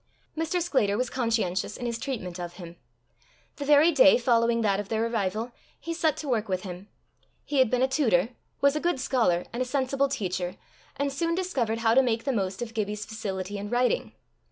Mr. Sclater was conscientious in his treatment of him. The very day following that of their arrival, he set to work with him. He had been a tutor, was a good scholar, and a sensible teacher, and soon discovered how to make the most of Gibbie's facility in writing.